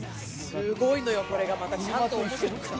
すごいのよ、これがまた。